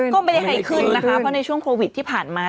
ก็ไม่ได้ให้ขึ้นนะคะเพราะในช่วงโควิดที่ผ่านมา